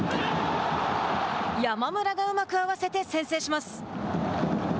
山村がうまく合わせて先制します。